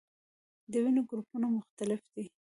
د وینې ګروپونه مختلف دي